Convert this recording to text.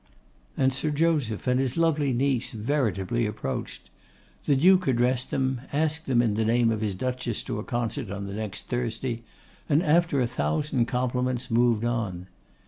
And Sir Joseph and his lovely niece veritably approached. The Duke addressed them: asked them in the name of his Duchess to a concert on the next Thursday; and, after a thousand compliments, moved on.